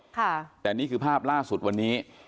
ค่ะแต่นี่คือภาพล่าสุดวันนี้